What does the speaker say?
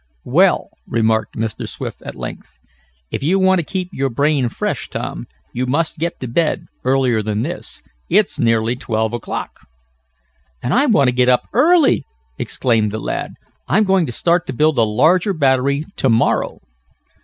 "Well," remarked Mr. Swift at length, "if you want to keep your brain fresh, Tom, you must get to bed earlier than this. It's nearly twelve o'clock." "And I want to get up early!" exclaimed the lad. "I'm going to start to build a larger battery to morrow."